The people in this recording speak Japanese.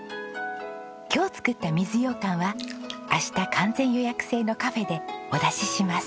今日作った水ようかんは明日完全予約制のカフェでお出しします。